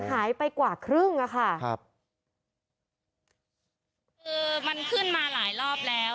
ขายไปกว่าครึ่งล่ะค่ะครับ